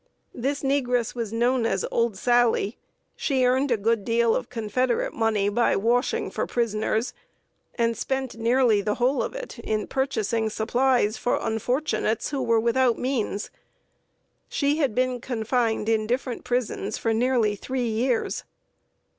This negress was known as "Old Sally;" she earned a good deal of Confederate money by washing for prisoners, and spent nearly the whole of it in purchasing supplies for unfortunates who were without means. She had been confined in different prisons for nearly three years.